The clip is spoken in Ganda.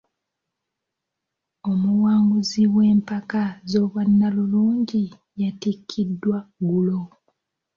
Omuwanguzi w'empaka z'obwannalulungi yatikkiddwa ggulo.